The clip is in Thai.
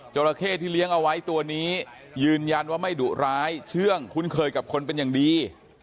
ราเข้ที่เลี้ยงเอาไว้ตัวนี้ยืนยันว่าไม่ดุร้ายเชื่องคุ้นเคยกับคนเป็นอย่างดี